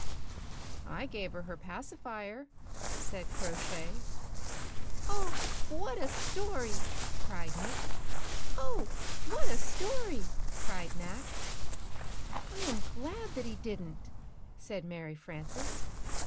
"I gave her her pacifier," said Crow Shay. "Oh, what a story!" cried Knit. "Oh, what a story!" cried Knack. "I am glad that he didn't," said Mary Frances.